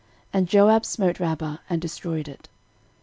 And Joab smote Rabbah, and destroyed it.